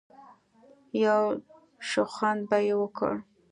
يو شخوند به يې وکړ.